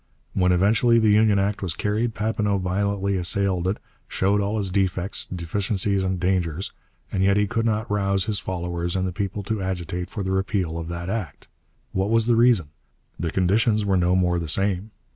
When eventually the Union Act was carried, Papineau violently assailed it, showed all its defects, deficiencies and dangers, and yet he could not rouse his followers and the people to agitate for the repeal of that Act. What was the reason? The conditions were no more the same.